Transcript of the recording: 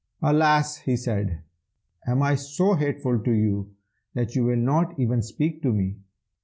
"'Alas!' he said, 'am I so hateful to you that you will not even speak to me?